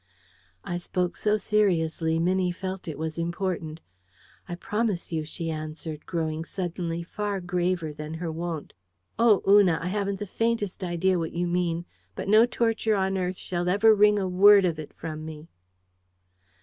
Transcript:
I spoke so seriously, Minnie felt it was important. "I promise you," she answered, growing suddenly far graver than her wont. "Oh, Una, I haven't the faintest idea what you mean, but no torture on earth shall ever wring a word of it from me!"